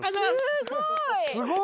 すごい！